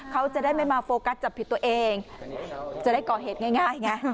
เขาจะได้ไม่มาโฟกัสจับผิดตัวเองจะได้ก่อเหตุง่ายไง